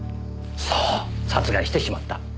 そう殺害してしまった。